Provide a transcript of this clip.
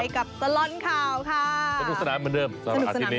ไปกับสนานข่าวค่ะสนุนสนามมาเริ่มสนานอาทิตย์นี้